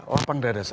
lepang daerah saja